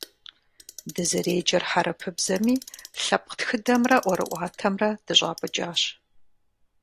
Дызэреджэр хьэрыпыбзэми, лъэпкъ тхыдэмрэ ӀуэрыӀуатэмрэ дыщӀапӀыкӀащ.